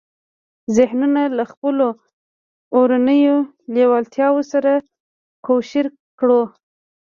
ذهنونه له خپلو اورنيو لېوالتیاوو سره کوشير کړو.